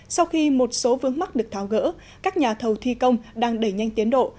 sau khi một số vướng mắt được tháo gỡ các nhà thầu thi công đang đẩy nhanh tiến độ